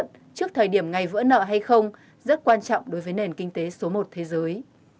trước thời điểm ngày vỡ nợ hay không rất quan trọng đối với nền kinh tế số một thế giới